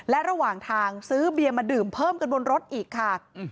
และระหว่างทางซื้อเบียร์มาดื่มเพิ่มกันบนรถอีกค่ะ